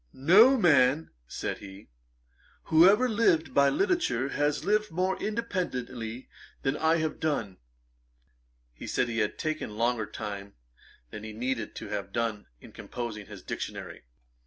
'No man (said he) who ever lived by literature, has lived more independently than I have done.' He said he had taken longer time than he needed to have done in composing his Dictionary.